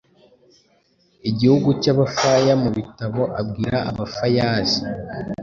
igihugu cy'AbafayaMu bitabo abwira Abafayazi